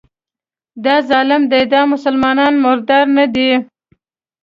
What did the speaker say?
دا ظلم دی، دا مسلمانان مردار نه دي